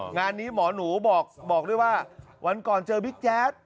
งานนี้หมอหนูบอกด้วยว่าวันก่อนเจอบิ๊กแจ๊ด